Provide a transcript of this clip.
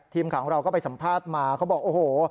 ทีมข่าวของเราก็ไปสัมภาษณ์มาเขาบอกโอ้โห